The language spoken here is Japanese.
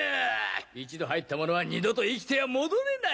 １度入った者は２度と生きては戻れない！